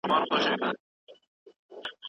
ډېر لوړ ږغ به پاڼه ړنګه کړي.